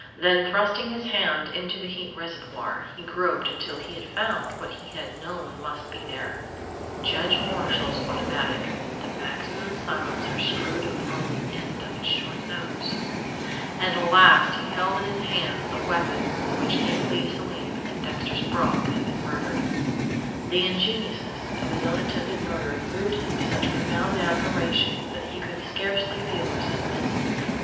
Then thrusting his hand into the heat reservoir, he groped until he had found what he had known must be there Judge Marshall's automatic, with the Maxim silencer screwed upon the end of its short nose. At last he held in his hands the weapon with which Nita Leigh Selim and Dexter Sprague had been murdered. The ingeniousness of his own attempted murder moved him to such profound admiration that he could scarcely feel resentment.